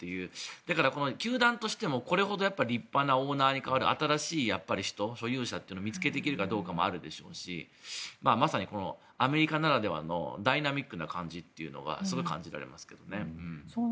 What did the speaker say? だから、球団としてもこれほど立派なオーナーに代わる新しい人、所有者を見つけていけるのかもあるでしょうしまさにアメリカならではのダイナミックな感じというのはすごい感じられますけどね。